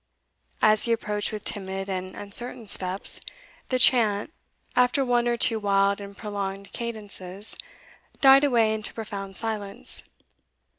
As he approached with timid and uncertain steps, the chant, after one or two wild and prolonged cadences, died away into profound silence.